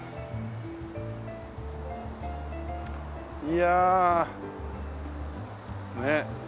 いやねっ。